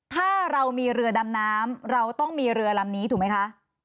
ถ้าเรามีเรือดำน้ำเราต้องมีเรือลำนี้ถูกไหมคะ